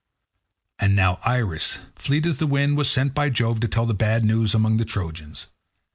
And now Iris, fleet as the wind, was sent by Jove to tell the bad news among the Trojans.